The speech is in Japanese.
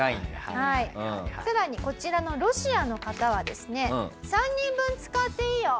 更にこちらのロシアの方はですね「３人分使っていいよ」。